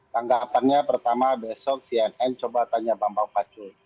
tanggapannya pertama besok cnn coba tanya bang pak pacul